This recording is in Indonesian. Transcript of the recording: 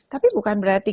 tapi bukan berarti